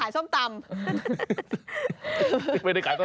อ้าวคุณเชฟไม่ได้ขายส้มตำ